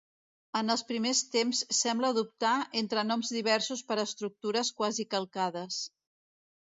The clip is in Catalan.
En els primers temps sembla dubtar entre noms diversos per a estructures quasi calcades.